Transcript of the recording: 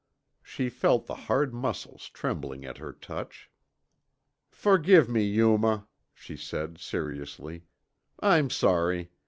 She felt the hard muscles trembling at her touch. "Forgive me, Yuma," she said seriously, "I'm sorry.